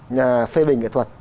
nhà phê bình nghệ thuật